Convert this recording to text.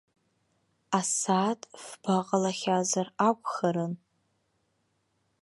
Асааҭ фба ҟалахьазар акәхарын.